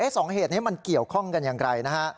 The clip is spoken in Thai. สองเหตุนี้มันเกี่ยวข้องกันอย่างไรนะฮะ